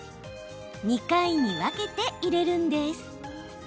２回に分けて入れるんです。